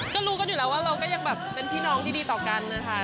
ก็รู้กันอยู่แล้วว่าเราก็ยังแบบเป็นพี่น้องที่ดีต่อกันนะคะ